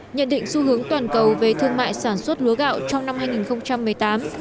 nhận định xu hướng toàn cầu về thương mại sản xuất lúa gạo trong năm hai nghìn một mươi tám